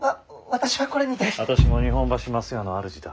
私も日本橋桝屋の主だ。